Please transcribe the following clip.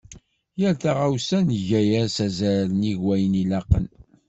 Yal taɣawsa nga-as azal nnig wayen ilaqen.